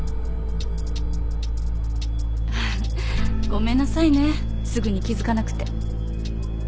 ごめんなさいねすぐに気付かなくて。